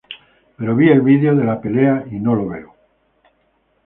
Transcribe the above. Pero vi el video de la pelea y no lo veo.